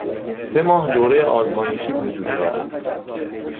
سه ماه دوره آزمایشی وجود دارد.